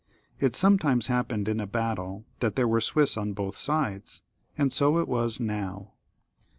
It sometimes happened in a battle that there were Swiss on both sides, and so it was now.